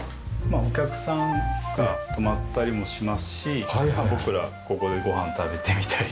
お客さんが泊まったりもしますし僕らここでご飯食べてみたりとか。